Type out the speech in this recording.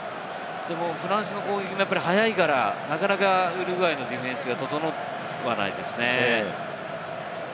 フランスの攻撃が早いから、なかなかウルグアイのディフェンスが整わないですね。